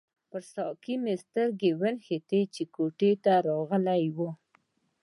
پر ساقي مې سترګې ونښتې چې کوټې ته راغلی وو.